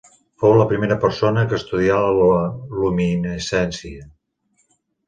Fou la primera persona que estudià la luminescència.